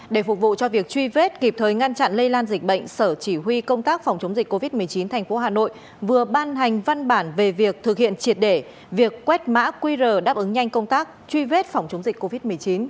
để phục vụ cho việc truy vết kịp thời ngăn chặn lây lan dịch bệnh sở chỉ huy công tác phòng chống dịch covid một mươi chín thành phố hà nội vừa ban hành văn bản về việc thực hiện triệt để việc quét mã qr đáp ứng nhanh công tác truy vết phòng chống dịch covid một mươi chín